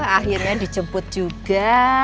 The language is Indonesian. akhirnya dijemput juga